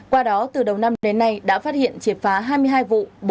qua đó từ đầu năm đến nay đã phát hiện triệt phá hai mươi hai vụ